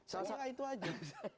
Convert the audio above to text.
saya rasa itu saja